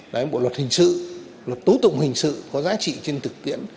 đấy bộ luật hình sự luật tố tụng hình sự có giá trị trên thực tiễn